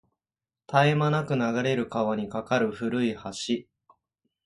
絶え間なく流れる川に架かる古い橋